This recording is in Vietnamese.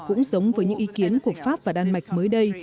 cũng giống với những ý kiến của pháp và đan mạch mới đây